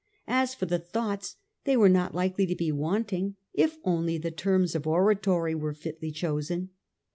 As for the thoughts, they were not likely to be wanting if only the terms of oratory were fitly chosen.